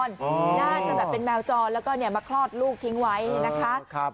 น่าจะแบบเป็นแมวจรแล้วก็มาคลอดลูกทิ้งไว้นะคะ